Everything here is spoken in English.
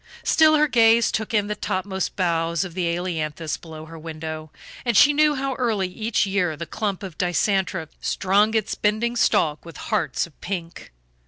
Still, her gaze took in the topmost boughs of the ailanthus below her window, and she knew how early each year the clump of dicentra strung its bending stalk with hearts of pink.